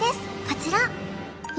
こちら